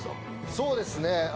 そうですね。